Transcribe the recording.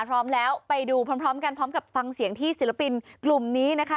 พร้อมแล้วไปดูพร้อมกันพร้อมกับฟังเสียงที่ศิลปินกลุ่มนี้นะคะ